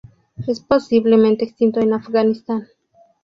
Es posiblemente extinto en Afganistán.